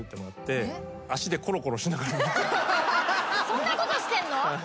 そんなことしてんの？